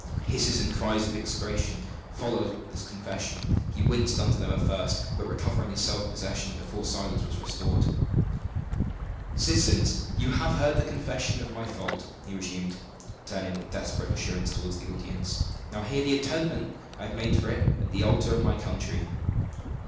Hisses and cries of execration followed this confession. He winced under them at first; but recovered his self possession before silence was restored. "Citizens, you have heard the confession of my fault," he resumed, turning with desperate assurance toward the audience; "now hear the atonement I have made for it at the altar of my country."